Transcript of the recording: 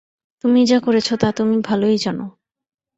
তুমি যা করেছ তা তুমি ভালোই জান।